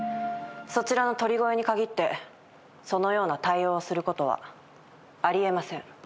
そちらの鳥越に限ってそのような対応をすることはあり得ません。